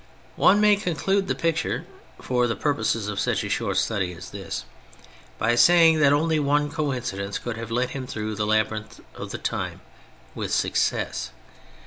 One may conclude the picture (for the purposes of such a short study as this) by saying that only one coincidence could have led him through the labyrinth of the time with success.